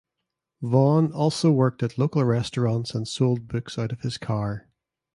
Vaughn also worked at local restaurants and sold books out of his car.